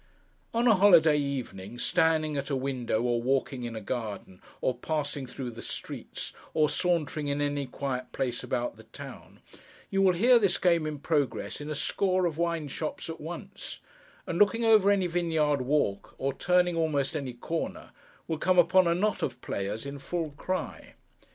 On a holiday evening, standing at a window, or walking in a garden, or passing through the streets, or sauntering in any quiet place about the town, you will hear this game in progress in a score of wine shops at once; and looking over any vineyard walk, or turning almost any corner, will come upon a knot of players in full cry.